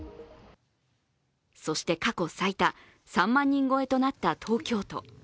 そして過去最多、３万人超えとなった東京都。